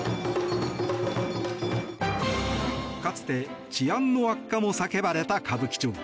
かつて治安の悪化も叫ばれた歌舞伎町。